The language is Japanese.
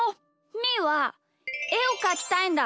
みーはえをかきたいんだ！